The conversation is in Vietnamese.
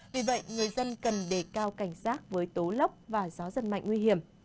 vì vậy người dân cần đề cao cảnh sát với tố lốc và gió rất mạnh nguy hiểm